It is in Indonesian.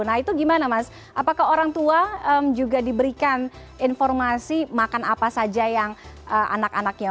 nah itu gimana mas apakah orang tua juga diberikan informasi makan apa saja yang anak anaknya